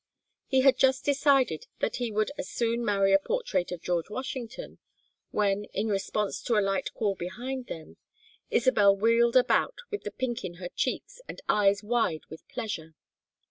He had just decided that he would as soon marry a portrait of George Washington, when, in response to a light call behind them, Isabel wheeled about with the pink in her cheeks and eyes wide with pleasure.